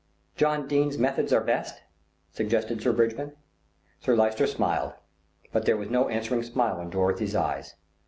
"John Dene's methods are best," suggested Sir Bridgman. Sir Lyster smiled; but there was no answering smile in Dorothy's eyes.